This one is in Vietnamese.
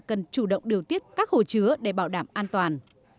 cần chủ động điều tiết các hồ chứa để bảo đảm an toàn